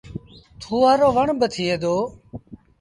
ٿُور رو وڻ با ٿئي دو۔